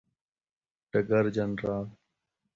ډګر جنرال